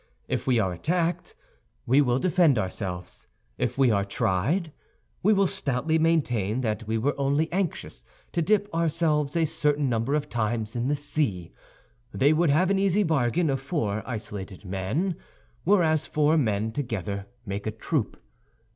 If we are attacked, we will defend ourselves; if we are tried, we will stoutly maintain that we were only anxious to dip ourselves a certain number of times in the sea. They would have an easy bargain of four isolated men; whereas four men together make a troop.